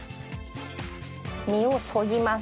実をそぎます。